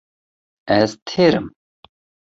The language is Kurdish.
Ez têr im.